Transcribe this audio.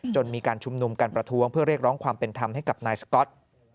มีการชุมนุมการประท้วงเพื่อเรียกร้องความเป็นธรรมให้กับนายสก๊อต